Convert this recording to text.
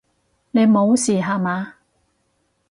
你無事吓嘛！